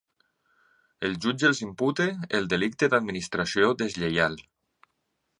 El jutge els imputa el delicte d’administració deslleial.